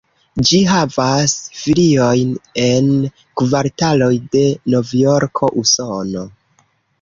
Ĝi havas filiojn en kvartaloj de Novjorko, Usono.